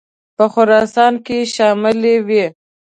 په خراسان کې شاملي وې.